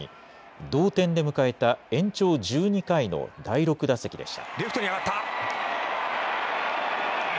同点で迎えた延長１２回の第６打席でした。